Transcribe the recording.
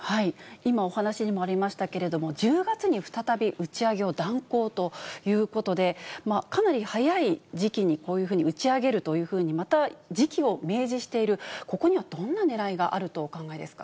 今お話にもありましたけれども、１０月に再び打ち上げを断行ということで、かなり早い時期にこういうふうに打ち上げるというふうに、また時期を明示している、ここにはどんなねらいがあるとお考えですか。